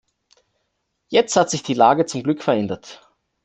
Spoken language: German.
Jetzt hat sich die Lage zum Glück verändert.